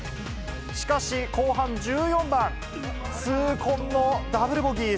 しかし後半１４番、痛恨のダブルボギー。